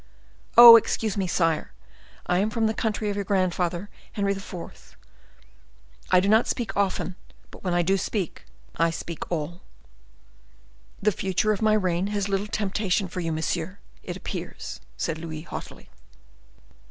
Oh, excuse me, sire! I am from the country of your grandfather, Henry IV. I do not speak often: but when I do speak, I speak all." "The future of my reign has little temptation for you, monsieur, it appears," said Louis, haughtily.